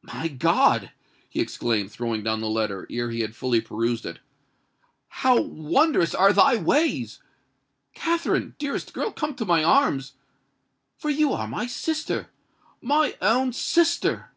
"My God!" he exclaimed, throwing down the letter, ere he had fully perused it: "how wondrous are thy ways! Katherine, dearest girl—come to my arms—for you are my sister—my own sister!"